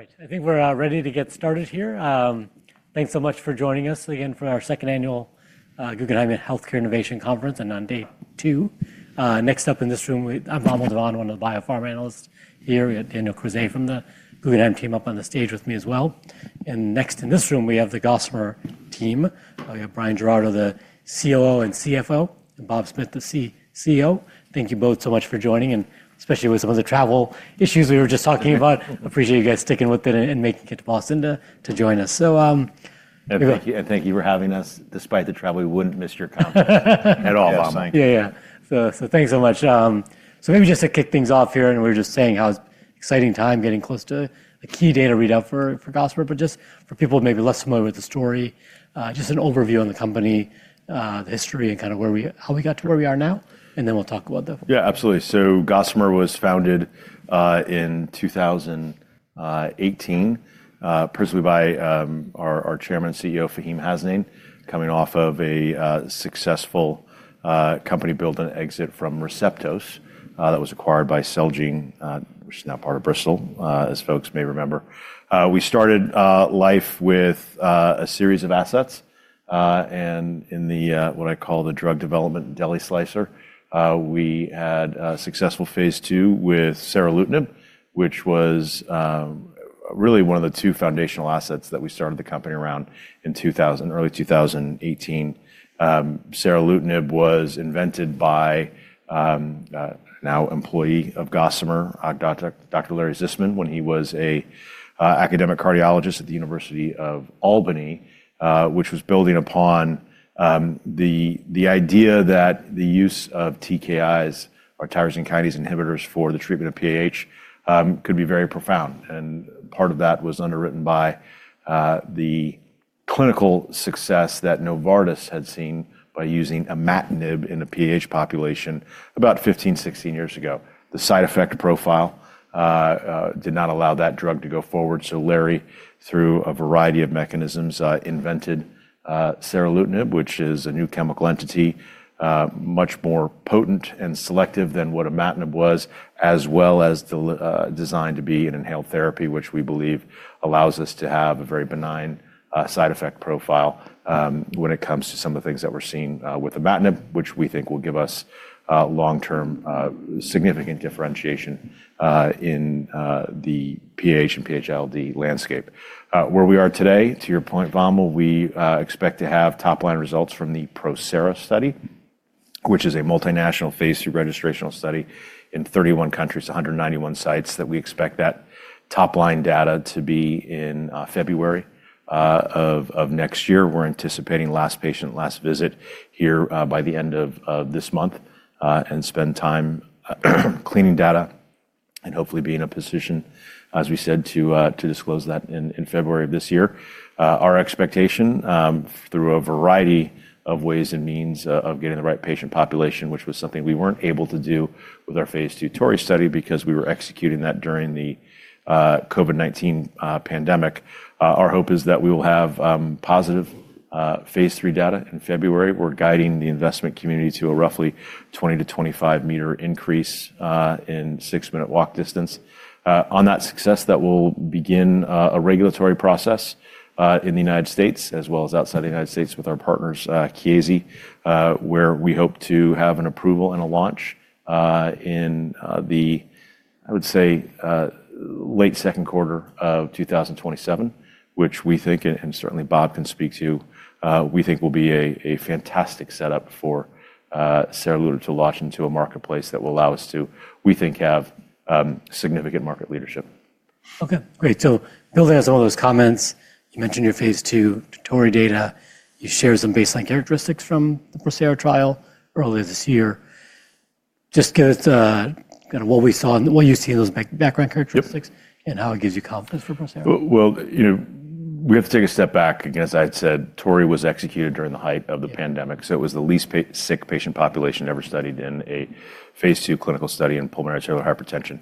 All right. I think we're ready to get started here. Thanks so much for joining us again for our second annual Guggenheim Healthcare Innovation Conference and on day two. Next up in this room, I'm Bob Mulvaney, one of the bio pharma analysts here at Daniel Crozier from the Guggenheim team, up on the stage with me as well. Next in this room, we have the Gossamer team. We have Brian Geraghty, the COO and CFO, and Bob Smith, the CEO. Thank you both so much for joining, and especially with some of the travel issues we were just talking about. Appreciate you guys sticking with it and making it to Boston to join us. Thank you for having us. Despite the travel, we would not miss your conference at all, Bob. Yeah, yeah. Thanks so much. Maybe just to kick things off here, we were just saying how it's an exciting time getting close to a key data readout for Gossamer, but just for people maybe less familiar with the story, just an overview on the company, the history, and kind of how we got to where we are now. Then we'll talk about the. Yeah, absolutely. Gossamer was founded in 2018, personally by our Chairman and CEO, Faheem Hasnain, coming off of a successful company build and exit from Receptos that was acquired by Celgene, which is now part of Bristol Myers Squibb, as folks may remember. We started life with a series of assets. In what I call the drug development deli slicer, we had a successful phase two with seralutinib, which was really one of the two foundational assets that we started the company around in early 2018. Seralutinib was invented by now employee of Gossamer, Dr. Laurence Zisman, when he was an academic cardiologist at the University of Albany, which was building upon the idea that the use of TKIs, or tyrosine kinase inhibitors, for the treatment of PAH could be very profound. Part of that was underwritten by the clinical success that Novartis had seen by using imatinib in a PAH population about 15, 16 years ago. The side effect profile did not allow that drug to go forward. Larry, through a variety of mechanisms, invented seralutinib, which is a new chemical entity, much more potent and selective than what imatinib was, as well as designed to be an inhaled therapy, which we believe allows us to have a very benign side effect profile when it comes to some of the things that we're seeing with imatinib, which we think will give us long-term significant differentiation in the PAH and PH-ILD landscape. Where we are today, to your point, Bob, we expect to have top-line results from the Prosera study, which is a multinational phase three registrational study in 31 countries, 191 sites, that we expect that top-line data to be in February of next year. We're anticipating last patient, last visit here by the end of this month, and spend time cleaning data and hopefully being in a position, as we said, to disclose that in February of this year. Our expectation, through a variety of ways and means of getting the right patient population, which was something we weren't able to do with our phase two Tori study because we were executing that during the COVID-19 pandemic, our hope is that we will have positive phase three data in February. We're guiding the investment community to a roughly 20-25 meter increase in six-minute walk distance. On that success, that will begin a regulatory process in the U.S., as well as outside the U.S. with our partners, Chiesi, where we hope to have an approval and a launch in the, I would say, late second quarter of 2027, which we think, and certainly Bob can speak to, we think will be a fantastic setup for seralutinib to launch into a marketplace that will allow us to, we think, have significant market leadership. Okay, great. Building on some of those comments, you mentioned your phase two Tori data. You shared some baseline characteristics from the Prosera trial earlier this year. Just give us kind of what we saw and what you see in those background characteristics and how it gives you confidence for Prosera. We have to take a step back. Again, as I had said, Tori was executed during the height of the pandemic. It was the least sick patient population ever studied in a phase two clinical study in pulmonary hypertension.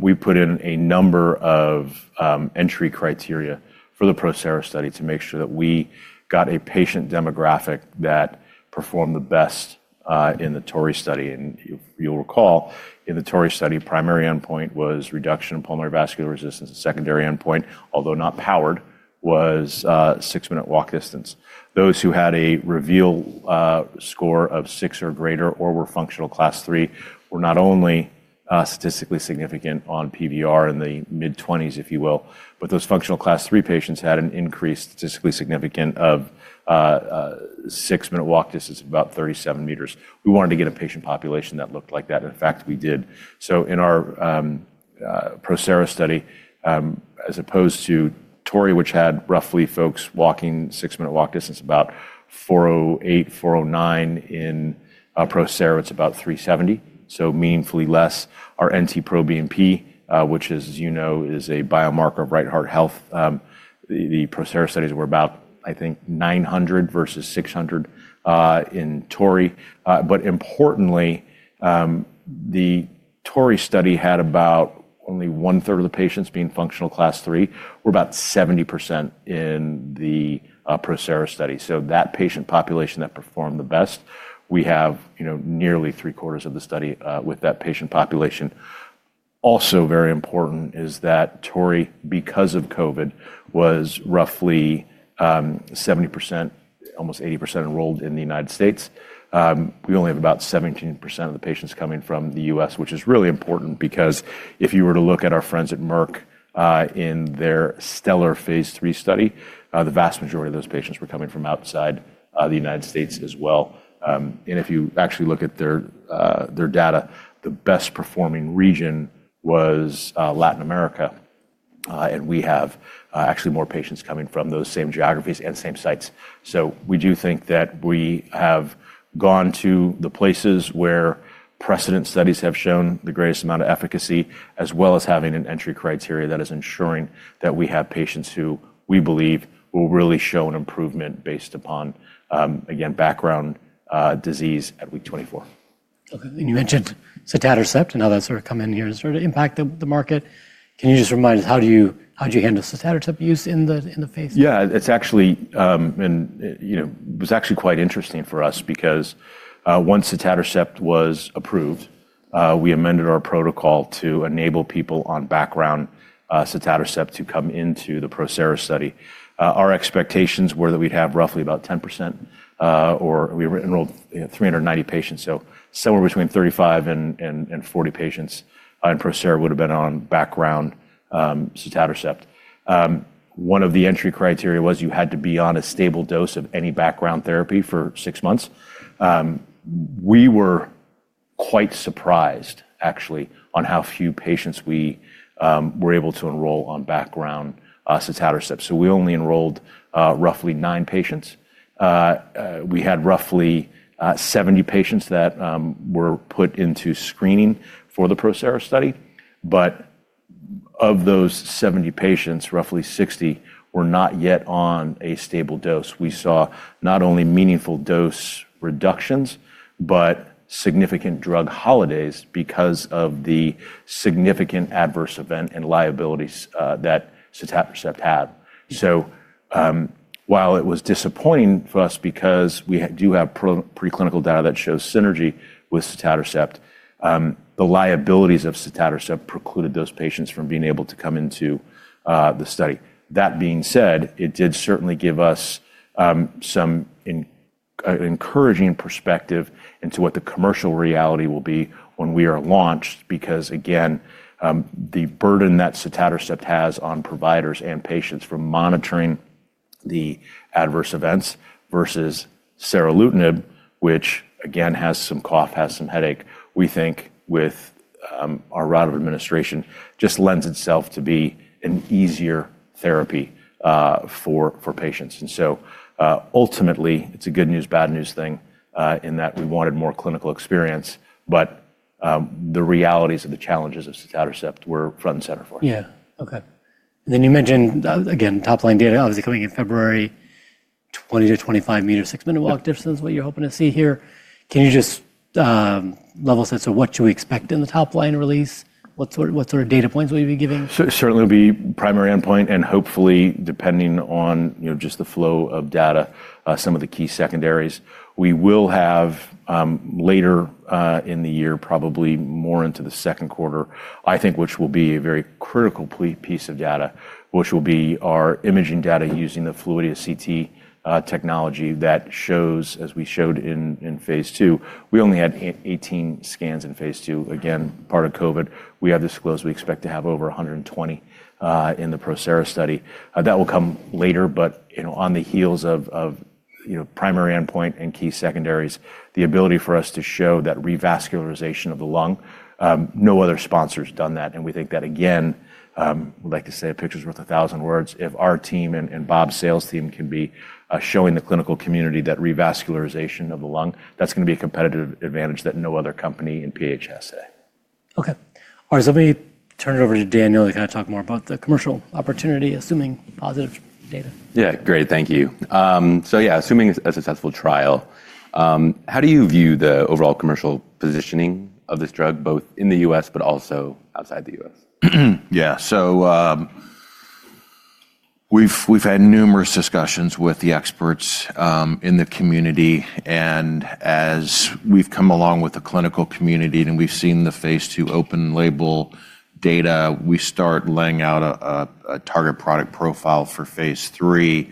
We put in a number of entry criteria for the Prosera study to make sure that we got a patient demographic that performed the best in the Tori study. You'll recall, in the Tori study, the primary endpoint was reduction in pulmonary vascular resistance. The secondary endpoint, although not powered, was six-minute walk distance. Those who had a REVEAL score of six or greater or were functional class three were not only statistically significant on PVR in the mid-20s, if you will, but those functional class three patients had an increase statistically significant of six-minute walk distance, about 37 meters. We wanted to get a patient population that looked like that. In fact, we did. In our Prosera study, as opposed to Tori, which had roughly folks walking six-minute walk distance, about 408, 409, in Prosera, it is about 370, so meaningfully less. Our NT-proBNP, which, as you know, is a biomarker of right heart health, the Prosera studies were about, I think, 900 versus 600 in Tori. Importantly, the Tori study had about only one-third of the patients being functional class three. We are about 70% in the Prosera study. That patient population that performed the best, we have nearly three-quarters of the study with that patient population. Also very important is that Tori, because of COVID, was roughly 70%, almost 80% enrolled in the United States. We only have about 17% of the patients coming from the U.S., which is really important because if you were to look at our friends at Merck in their stellar phase three study, the vast majority of those patients were coming from outside the United States as well. If you actually look at their data, the best performing region was Latin America. We have actually more patients coming from those same geographies and same sites. We do think that we have gone to the places where precedent studies have shown the greatest amount of efficacy, as well as having an entry criteria that is ensuring that we have patients who we believe will really show an improvement based upon, again, background disease at week 24. Okay. You mentioned sotatercept and how that sort of comes in here and sort of impacts the market. Can you just remind us, how do you handle sotatercept use in the phase? Yeah, it was actually quite interesting for us because once sotatercept was approved, we amended our protocol to enable people on background sotatercept to come into the Prosera study. Our expectations were that we'd have roughly about 10% or we enrolled 390 patients, so somewhere between 35-40 patients in Prosera would have been on background sotatercept. One of the entry criteria was you had to be on a stable dose of any background therapy for six months. We were quite surprised, actually, on how few patients we were able to enroll on background sotatercept. We only enrolled roughly nine patients. We had roughly 70 patients that were put into screening for the Prosera study. But Of those 70 patients, roughly 60 were not yet on a stable dose. We saw not only meaningful dose reductions, but significant drug holidays because of the significant adverse event and liabilities that sotatercept had. While it was disappointing for us because we do have preclinical data that shows synergy with sotatercept, the liabilities of sotatercept precluded those patients from being able to come into the study. That being said, it did certainly give us some encouraging perspective into what the commercial reality will be when we are launched because, again, the burden that sotatercept has on providers and patients for monitoring the adverse events versus seralutinib, which, again, has some cough, has some headache, we think with our route of administration just lends itself to be an easier therapy for patients. Ultimately, it's a good news, bad news thing in that we wanted more clinical experience, but the realities of the challenges of sotatercept were front and center for us. Yeah. Okay. You mentioned, again, top-line data obviously coming in February, 20-25 meters six-minute walk distance, what you're hoping to see here. Can you just level set? What should we expect in the top-line release? What sort of data points will you be giving? Certainly will be primary endpoint and hopefully, depending on just the flow of data, some of the key secondaries. We will have later in the year, probably more into the second quarter, I think, which will be a very critical piece of data, which will be our imaging data using the Fluidia CT technology that shows, as we showed in phase two. We only had 18 scans in phase two. Again, part of COVID, we have disclosed we expect to have over 120 in the Prosera study. That will come later, but on the heels of primary endpoint and key secondaries, the ability for us to show that revascularization of the lung. No other sponsor has done that. We think that, again, we like to say a picture's worth a thousand words. If our team and Bob's sales team can be showing the clinical community that revascularization of the lung, that's going to be a competitive advantage that no other company in PAH. Okay. All right. So let me turn it over to Daniel to kind of talk more about the commercial opportunity, assuming positive data. Yeah, great. Thank you. Yeah, assuming a successful trial, how do you view the overall commercial positioning of this drug, both in the U.S., but also outside the U.S.? Yeah. We have had numerous discussions with the experts in the community. As we have come along with the clinical community and we have seen the phase two open label data, we start laying out a target product profile for phase three.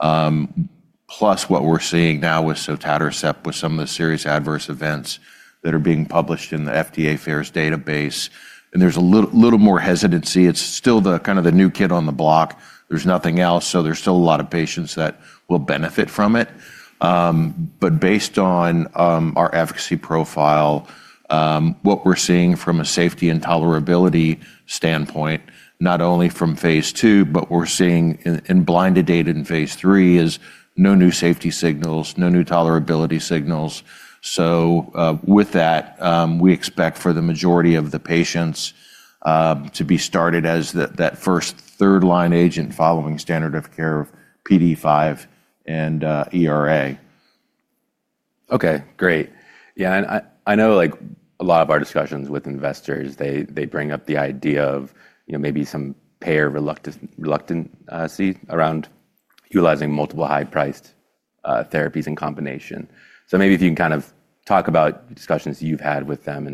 Plus, what we are seeing now with sotatercept with some of the serious adverse events that are being published in the FDA FAERS database, there is a little more hesitancy. It is still kind of the new kid on the block. There is nothing else. There are still a lot of patients that will benefit from it. Based on our efficacy profile, what we are seeing from a safety and tolerability standpoint, not only from phase two, but what we are seeing in blinded data in phase three is no new safety signals, no new tolerability signals. With that, we expect for the majority of the patients to be started as that first third-line agent following standard of care of PDE5 and ERA. Okay, great. Yeah. I know a lot of our discussions with investors, they bring up the idea of maybe some payer reluctancy around utilizing multiple high-priced therapies in combination. Maybe if you can kind of talk about discussions you've had with them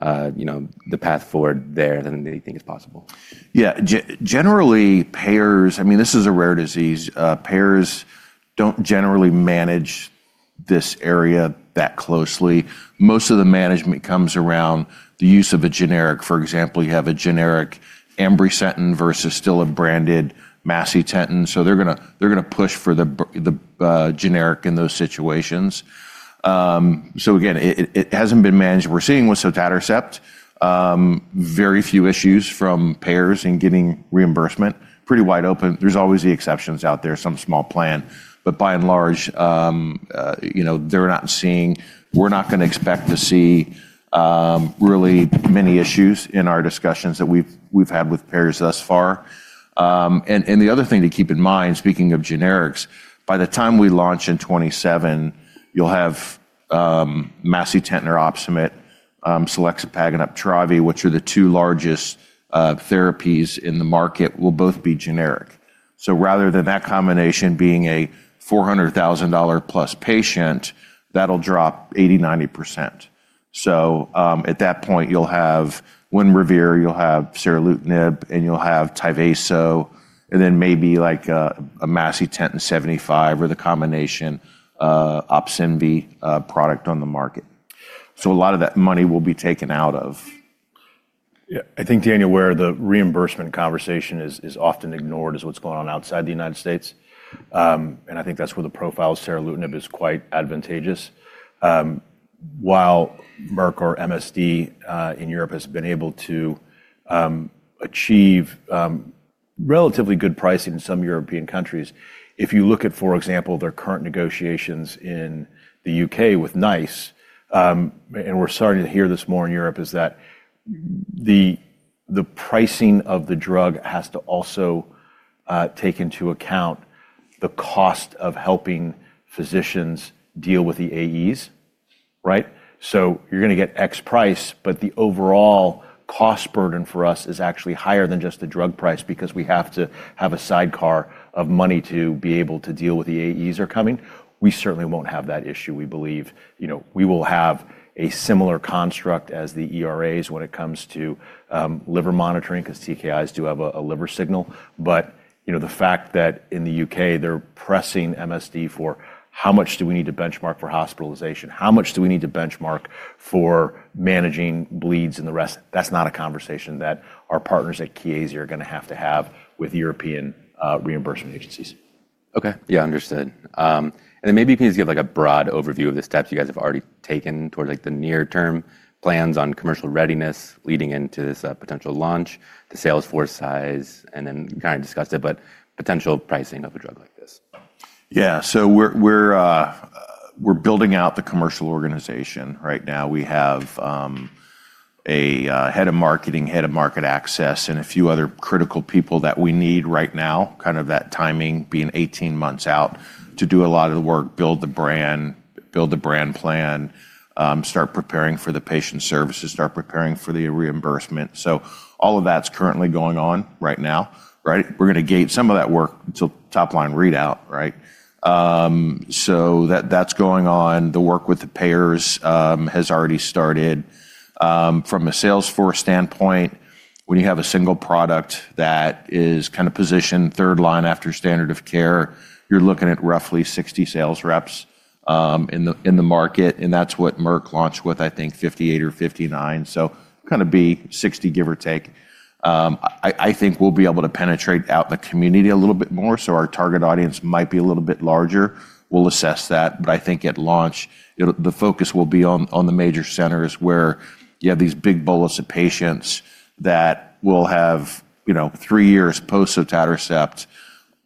and the path forward there, then they think it's possible. Yeah. Generally, payers, I mean, this is a rare disease. Payers do not generally manage this area that closely. Most of the management comes around the use of a generic. For example, you have a generic ambrisentan versus still a branded macitentan. They are going to push for the generic in those situations. Again, it has not been managed. We are seeing with sotatercept very few issues from payers in getting reimbursement. Pretty wide open. There are always the exceptions out there, some small plan, but by and large, they are not seeing, we are not going to expect to see really many issues in our discussions that we have had with payers thus far. The other thing to keep in mind, speaking of generics, by the time we launch in 2027, you will have macitentan, Opsumit, selexipag, and Uptravi, which are the two largest therapies in the market, will both be generic. Rather than that combination being a $400,000-plus patient, that'll drop 80-90%. At that point, you'll have Winrevair, you'll have seralutinib, and you'll have Tyvaso, and then maybe like a macitentan, 75, or the combination Opsumit product on the market. A lot of that money will be taken out of. Yeah. I think, Daniel, where the reimbursement conversation is often ignored is what's going on outside the U.S. I think that's where the profile of seralutinib is quite advantageous. While Merck or MSD in Europe has been able to achieve relatively good pricing in some European countries, if you look at, for example, their current negotiations in the U.K. with NICE, and we're starting to hear this more in Europe, the pricing of the drug has to also take into account the cost of helping physicians deal with the AEs, right? You're going to get X price, but the overall cost burden for us is actually higher than just the drug price because we have to have a sidecar of money to be able to deal with the AEs that are coming. We certainly won't have that issue. We believe we will have a similar construct as the ERAs when it comes to liver monitoring because TKIs do have a liver signal. The fact that in the U.K., they're pressing Merck for how much do we need to benchmark for hospitalization, how much do we need to benchmark for managing bleeds and the rest, that's not a conversation that our partners at Chiesi are going to have to have with European reimbursement agencies. Okay. Yeah, understood. Maybe you can just give like a broad overview of the steps you guys have already taken towards like the near-term plans on commercial readiness leading into this potential launch, the sales force size, and then kind of discuss it, but potential pricing of a drug like this. Yeah. We are building out the commercial organization right now. We have a Head of Marketing, Head of Market Access, and a few other critical people that we need right now, kind of that timing being 18 months out to do a lot of the work, build the brand, build the brand plan, start preparing for the patient services, start preparing for the reimbursement. All of that is currently going on right now, right? We are going to gate some of that work to top-line readout, right? That is going on. The work with the payers has already started. From a sales force standpoint, when you have a single product that is kind of positioned third line after standard of care, you are looking at roughly 60 sales reps in the market. That is what Merck launched with, I think, 58 or 59. So kind of be 60, give or take. I think we'll be able to penetrate out in the community a little bit more. Our target audience might be a little bit larger. We'll assess that. I think at launch, the focus will be on the major centers where you have these big bolus of patients that will have three years post-sotatercept.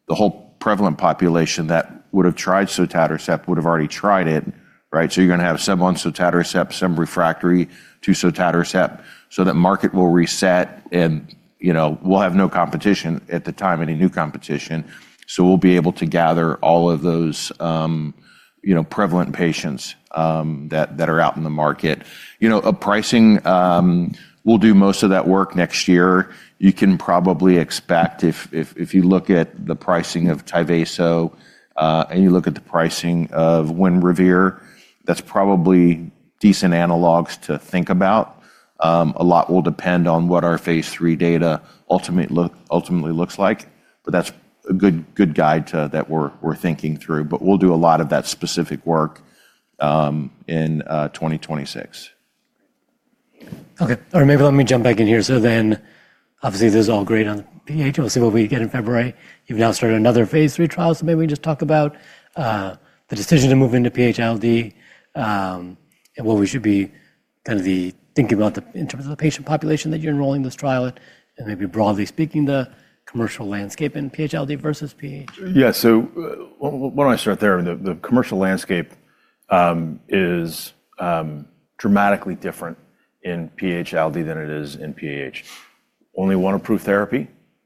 The whole prevalent population that would have tried sotatercept would have already tried it, right? You're going to have some on sotatercept, some refractory to sotatercept. That market will reset and we'll have no competition at the time, any new competition. We'll be able to gather all of those prevalent patients that are out in the market. You know, a pricing, we'll do most of that work next year. You can probably expect if you look at the pricing of Tyvaso and you look at the pricing of Winrevair, that's probably decent analogs to think about. A lot will depend on what our phase three data ultimately looks like. That's a good guide that we're thinking through. We'll do a lot of that specific work in 2026. Okay. All right. Maybe let me jump back in here. This is all great on PH-ILD. What we get in February, you've now started another phase 3 trial. Maybe we just talk about the decision to move into PH-ILD and what we should be kind of thinking about in terms of the patient population that you're enrolling this trial in and maybe broadly speaking the commercial landscape in PH-ILD versus PAH. Yeah. So why don't I start there? The commercial landscape is dramatically different in PH-ILD than it is in PAH. Only one approved therapy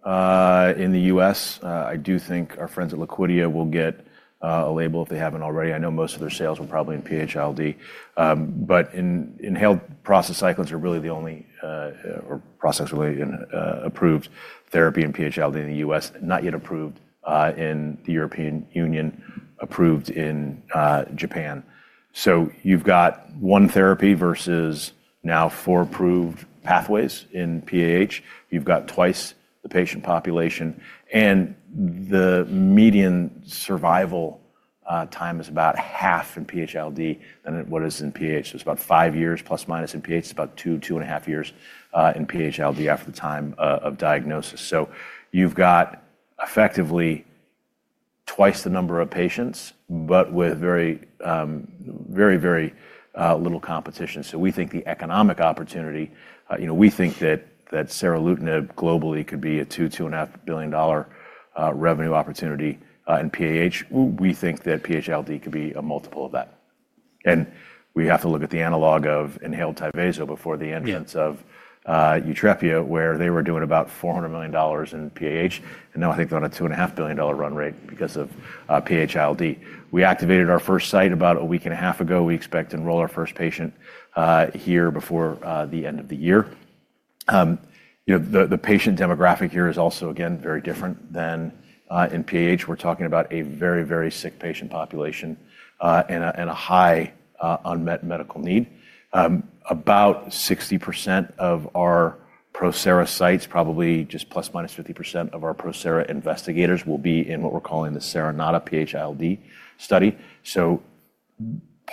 in the US. I do think our friends at Liquidia will get a label if they haven't already. I know most of their sales were probably in PH-ILD. But inhaled prostacyclins are really the only prostacyclin-approved therapy in PH-ILD in the US, not yet approved in the European Union, approved in Japan. You have got one therapy versus now four approved pathways in PAH. You have got twice the patient population. The median survival time is about half in PH-ILD than what it is in PAH. It is about five years plus minus in PAH, it is about two, two and a half years in PH-ILD after the time of diagnosis. You have got effectively twice the number of patients, but with very, very, very little competition. We think the economic opportunity, we think that seralutinib globally could be a $2 billion-$2.5 billion revenue opportunity in PAH. We think that PH-ILD could be a multiple of that. We have to look at the analog of inhaled Tyvaso before the entrance of Yutrepia, where they were doing about $400 million in PAH. Now I think they're on a $2.5 billion run rate because of PH-ILD. We activated our first site about a week and a half ago. We expect to enroll our first patient here before the end of the year. The patient demographic here is also, again, very different than in PAH. We're talking about a very, very sick patient population and a high unmet medical need. About 60% of our Prosera sites, probably just plus minus 50% of our Prosera investigators will be in what we're calling the Seronata PH-ILD study.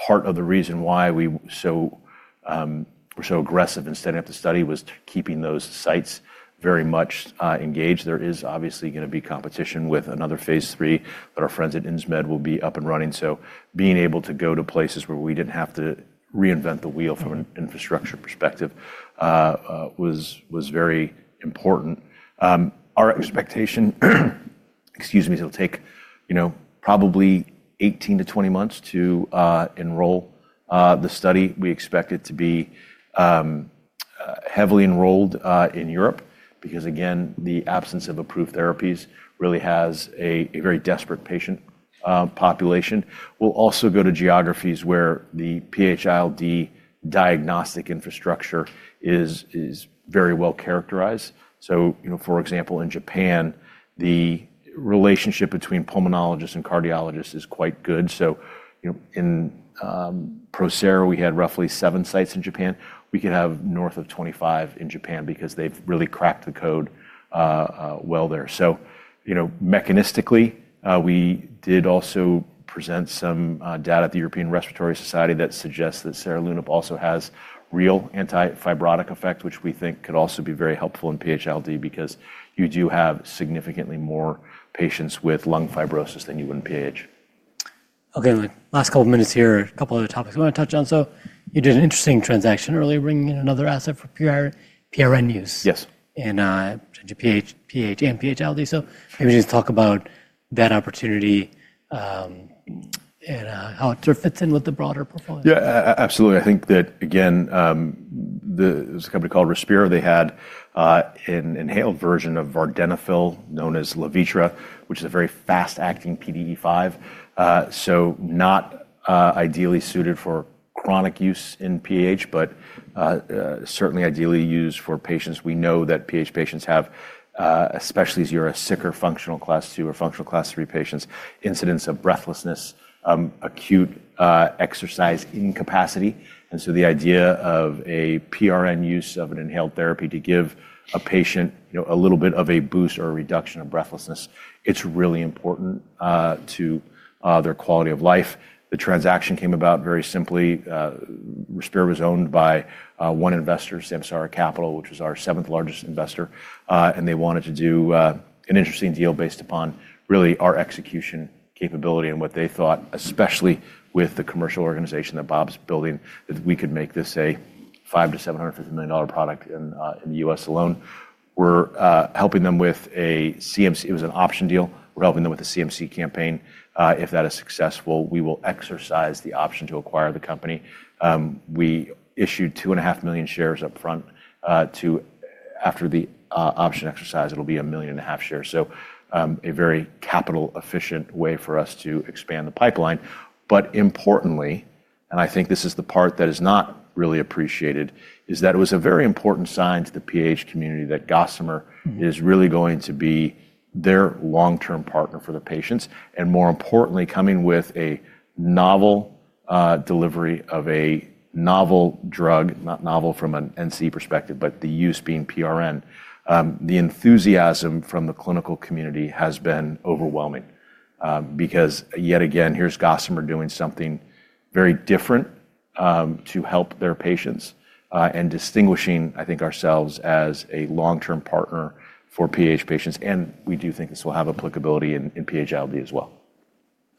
Part of the reason why we're so aggressive in setting up the study was keeping those sites very much engaged. There is obviously going to be competition with another phase three that our friends at Insmed will be up and running. Being able to go to places where we did not have to reinvent the wheel from an infrastructure perspective was very important. Our expectation, excuse me, it'll take probably 18-20 months to enroll the study. We expect it to be heavily enrolled in Europe because, again, the absence of approved therapies really has a very desperate patient population. We'll also go to geographies where the PH-ILD diagnostic infrastructure is very well characterized. For example, in Japan, the relationship between pulmonologists and cardiologists is quite good. In Prosera, we had roughly seven sites in Japan. We could have north of 25 in Japan because they have really cracked the code well there. Mechanistically, we did also present some data at the European Respiratory Society that suggests that seralutinib also has real anti-fibrotic effect, which we think could also be very helpful in PH-ILD because you do have significantly more patients with lung fibrosis than you would in PAH. Okay. Last couple of minutes here, a couple of other topics we want to touch on. You did an interesting transaction earlier bringing in another asset for PRN use. Yes. PH and PH-ILD. Maybe just talk about that opportunity and how it sort of fits in with the broader portfolio. Yeah, absolutely. I think that, again, there's a company called Respira. They had an inhaled version of vardenafil known as Levitra, which is a very fast-acting PDE5. Not ideally suited for chronic use in PAH, but certainly ideally used for patients. We know that PAH patients have, especially as you're a sicker functional class two or functional class three patients, incidence of breathlessness, acute exercise incapacity. The idea of a PRN use of an inhaled therapy to give a patient a little bit of a boost or a reduction of breathlessness, it's really important to their quality of life. The transaction came about very simply. Respira was owned by one investor, Samsara Capital, which was our seventh largest investor. They wanted to do an interesting deal based upon really our execution capability and what they thought, especially with the commercial organization that Bob's building, that we could make this a $500 million-$750 million product in the US alone. We're helping them with a CMC. It was an option deal. We're helping them with a CMC campaign. If that is successful, we will exercise the option to acquire the company. We issued 2,500,000 shares upfront. After the option exercise, it'll be 1,500,000 shares. A very capital-efficient way for us to expand the pipeline. Importantly, and I think this is the part that is not really appreciated, it was a very important sign to the PAH community that Gossamer is really going to be their long-term partner for the patients. More importantly, coming with a novel delivery of a novel drug, not novel from an NC perspective, but the use being PRN. The enthusiasm from the clinical community has been overwhelming because yet again, here is Gossamer doing something very different to help their patients and distinguishing, I think, ourselves as a long-term partner for PAH patients. We do think this will have applicability in PH-ILD as well.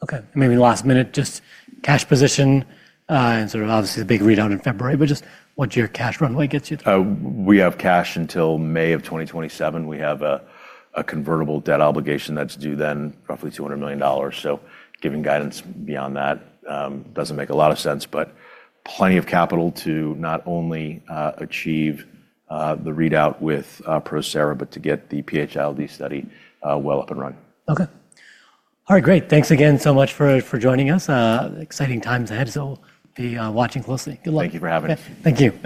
Okay. Maybe last minute, just cash position and sort of obviously the big readout in February, but just what's your cash runway get you? We have cash until May of 2027. We have a convertible debt obligation that's due then, roughly $200 million. Giving guidance beyond that doesn't make a lot of sense, but plenty of capital to not only achieve the readout with Prosera, but to get the PHLD study well up and running. Okay. All right. Great. Thanks again so much for joining us. Exciting times ahead. We will be watching closely. Good luck. Thank you for having me. Thank you.